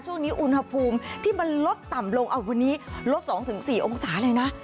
ช่วงนี้อุณหภูมิที่มันลดต่ำลงวันนี้ลด๒๔องศาเลยนะ